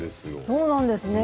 そうなんですね。